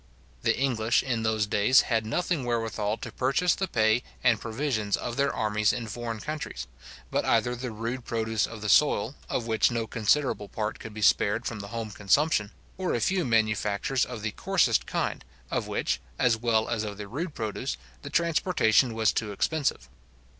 The English in those days had nothing wherewithal to purchase the pay and provisions of their armies in foreign countries, but either the rude produce of the soil, of which no considerable part could be spared from the home consumption, or a few manufactures of the coarsest kind, of which, as well as of the rude produce, the transportation was too expensive.